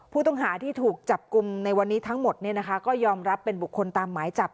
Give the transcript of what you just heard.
ผู้ต้องหาที่ถูกจับกลุ่มในวันนี้ทั้งหมดก็ยอมรับเป็นบุคคลตามหมายจับ